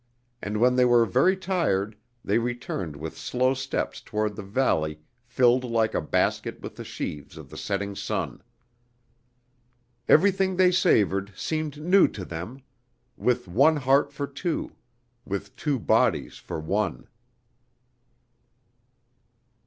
And when they were very tired they returned with slow steps toward the valley filled like a basket with the sheaves of the setting sun. Everything they savored seemed new to them with one heart for two, with two bodies for one.